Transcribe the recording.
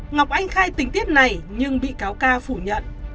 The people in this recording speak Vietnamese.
ngọc anh khai tình tiết này nhưng bị cáo ca phủ nhận